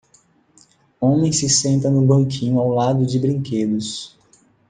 Homem se senta no banquinho ao lado de brinquedos.